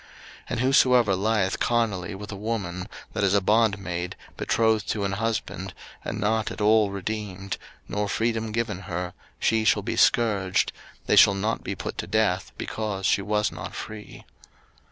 03:019:020 And whosoever lieth carnally with a woman, that is a bondmaid, betrothed to an husband, and not at all redeemed, nor freedom given her; she shall be scourged; they shall not be put to death, because she was not free.